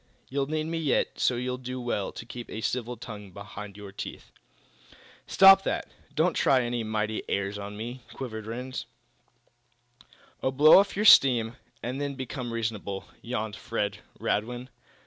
You'll need me yet so you'll do well to keep a civil tongue behind your teeth!" "Stop that! Don't try any mighty airs on me!" quivered Rhinds. "Oh, blow off your steam, quietly, and then become reasonable," yawned Fred Radwin.